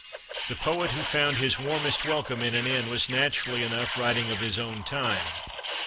The poet who found his "warmest welcome in an inn" was, naturally enough, writing of his own time.